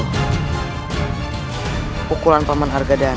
kenapa kalian membantu pak jajaran